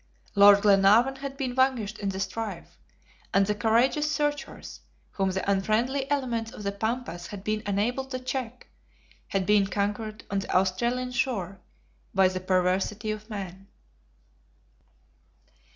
Lord Glenarvan had been vanquished in the strife; and the courageous searchers, whom the unfriendly elements of the Pampas had been unable to check, had been conquered on the Australian shore by the perversity of man.